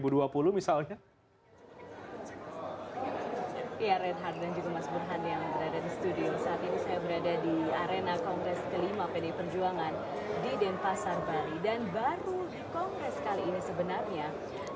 ya red heart dan juga mas buruhan yang berada di studio saat ini